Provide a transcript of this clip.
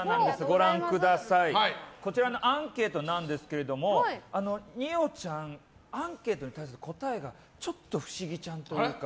こちらのアンケートなんですけども二葉ちゃんアンケートに対する答えがちょっと不思議ちゃんというか。